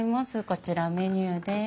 こちらメニューです。